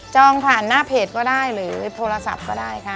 ผ่านหน้าเพจก็ได้หรือโทรศัพท์ก็ได้ค่ะ